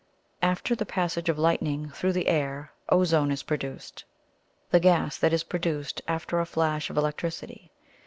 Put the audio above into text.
After the passage of lightning through the air ozone is produced the gas that is produced after a flash of electricity.